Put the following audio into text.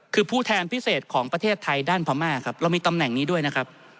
คือผู้แทนพิเศษของประเทศไทยด้านพม่าครับเรามีตำแหน่งนี้ด้วยนะครับ